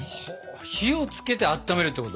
火をつけてあっためるってこと？